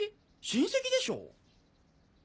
親戚でしょ？